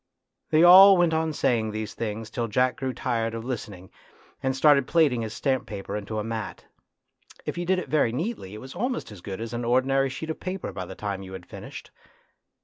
" They all went on saying these things till Jack grew tired of listening, and started plaiting his stamp paper into a mat. If you did it very neatly it was almost as good as an ordinary sheet of paper by the time you had finished.